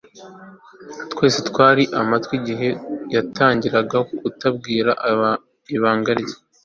Twese twari amatwi igihe yatangiraga kutubwira ibanga rye